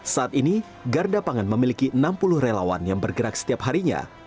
saat ini garda pangan memiliki enam puluh relawan yang bergerak setiap harinya